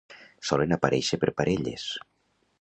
Solen aparèixer per parelles.